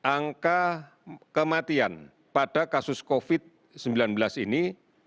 angka kematian pada kasus covid sembilan belas ini